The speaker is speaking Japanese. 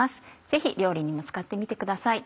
ぜひ料理にも使ってみてください。